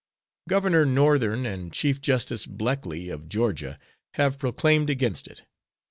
Governor Northern and Chief Justice Bleckley of Georgia have proclaimed against it.